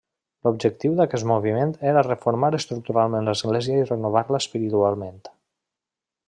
L'objectiu d'aquest moviment era reformar estructuralment l'Església i renovar-la espiritualment.